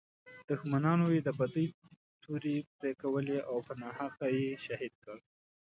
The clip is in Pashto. دښمنانو یې د بدۍ تورې پړکولې او په ناحقه یې شهید کړ.